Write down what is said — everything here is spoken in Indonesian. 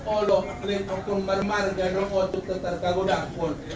olo lelokun marmarga dong otot keterkagodakun